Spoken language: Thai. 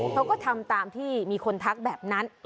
เขาก็ทำตามที่มีคนทักแบบนั้น